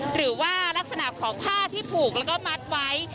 หรือว่ารักษณะของผ้าที่ผูกแล้วก็มัดไว้